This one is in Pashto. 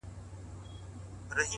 ریښتینی پرمختګ له دننه پیلېږي